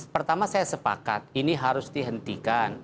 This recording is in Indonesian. pertama saya sepakat ini harus dihentikan